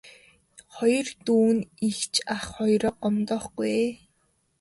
Хоёр дүү нь эгч ах хоёроо гомдоохгүй ээ.